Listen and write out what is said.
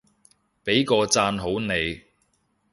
畀個讚好你